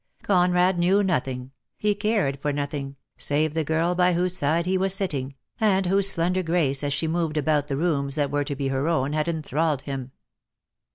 Conrad knew nothing, he cared for nothing, save the girl by whose side he was sitting, and whose slender grace as she moved about the rooms that were to be her own had enthralled him.